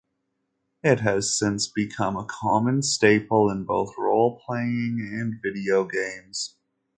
It has since become a common staple in both role-playing and video games.